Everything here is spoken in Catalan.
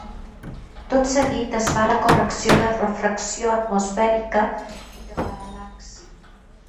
Tot seguit es fa la correcció de refracció atmosfèrica i de paral·laxi.